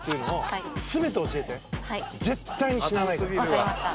わかりました。